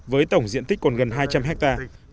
với tổng diện tích còn gần hai trăm linh hectare